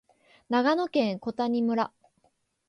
長野県小谷村